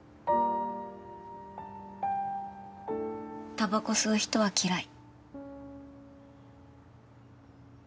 タバコ吸う人は嫌い。